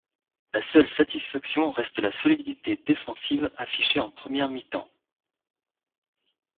La seule satisfaction reste la solidité défensive affichée en première mi-temps.